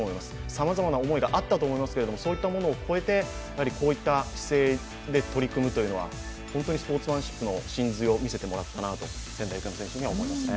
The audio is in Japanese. さまざまな思いがあったと思いますけれども、そういったものを越えてこういった姿勢で取り組むというのは本当にスポーツマンシップの真髄を見せてもらったなと思いますね。